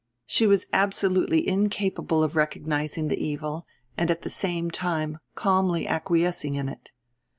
She was absolutely incapable of recognising the evil and at the same time calmly acquiescing in it.